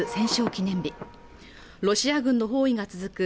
記念日ロシア軍の包囲が続く